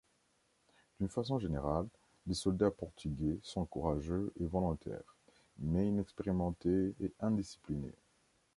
D'une façon générale, les soldats portugais sont courageux et volontaires, mais inexpérimentés et indisciplinés.